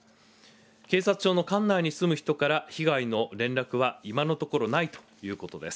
警察署の管内に住む人からの被害の連絡は今のところないということです。